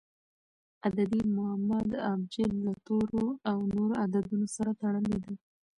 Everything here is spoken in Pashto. عددي معما د ابجد له تورو او نورو عددونو سره تړلي دي.